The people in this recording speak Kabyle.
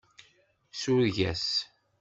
Sureg-as.